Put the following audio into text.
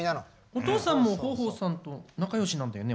お父さんも豊豊さんと仲よしなんだよね？